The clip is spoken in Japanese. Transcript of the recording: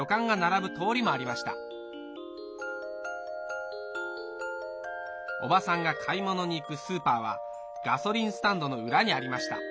おばさんが買い物に行くスーパーはガソリンスタンドの裏にありました